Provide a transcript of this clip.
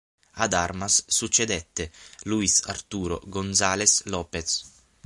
Ad Armas succedette Luis Arturo González López.